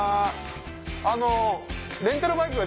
あの。